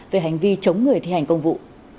về hành vi chống người thi hành công vụ